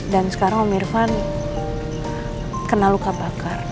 dan sekarang om irfan kena luka bakar